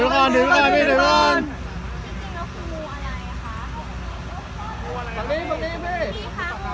โหคืออะไรอ่ะคะ